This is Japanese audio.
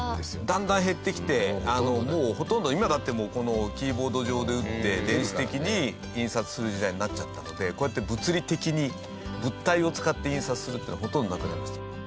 だんだん減ってきてもうほとんど今だってこのキーボード上で打って電子的に印刷する時代になっちゃったのでこうやって物理的に物体を使って印刷するっていうのはほとんどなくなりました。